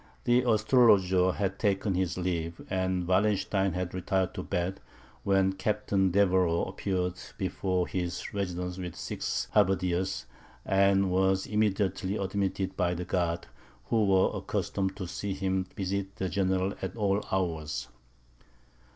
The astrologer had taken his leave, and Wallenstein had retired to bed, when Captain Deveroux appeared before his residence with six halberdiers, and was immediately admitted by the guard, who were accustomed to see him visit the general at all hours.